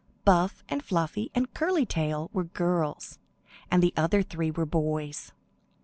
Buff and Fluffy and Curly Tail were girls, and the other three were boys.